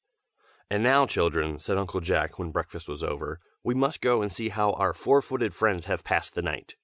"And now, children," said Uncle Jack, when breakfast was over, "We must go and see how our four footed friends have passed the night.